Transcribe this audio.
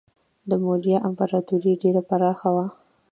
د موریا امپراتوري ډیره پراخه وه.